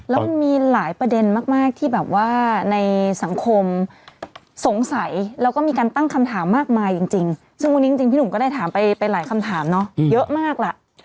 แล้วมันมีหลายประเด็นมากที่แบบว่าในสังคมสงสัยแล้วก็มีการตั้งคำถามมากมายจริงซึ่งวันนี้จริงพี่หนุ่มก็ได้ถามไปหลายคำถามเนาะเยอะมากล่ะ